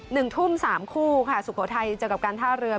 หนึ่งทุ่ม๓คู่ค่ะศุคโฮไทยเจอกับกานท่าเรือ